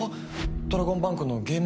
ドラゴンバンクのゲーム